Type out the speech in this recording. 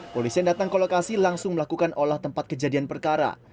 polisi yang datang ke lokasi langsung melakukan olah tempat kejadian perkara